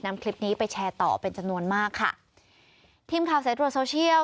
นำคลิปนี้ไปแชร์ต่อเป็นจำนวนมากค่ะทีมข่าวสายตรวจโซเชียล